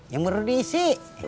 yang baru diisi